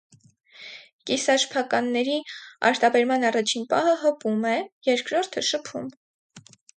Կիսաշփականների արտաբերման առաջին պահը հպում է, երկրորդը՝ շփում։